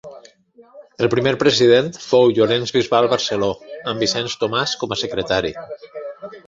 El primer president fou Llorenç Bisbal Barceló, amb Vicenç Tomàs com a secretari.